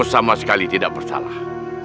tuhan kita marah